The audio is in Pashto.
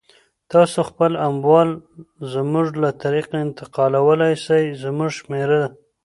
تاسو خپل اموال زموږ له طریقه انتقالولای سی، زموږ شمیره